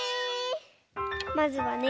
まずはね。